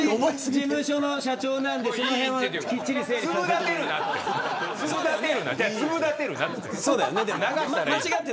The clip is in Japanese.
事務所の社長なんでそのへんはきっちり整理させて。